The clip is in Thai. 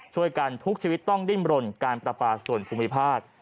ช่วยกันทุกชีวิตต้องดิ่มรนการประปาส่วนภูมิภาษณ์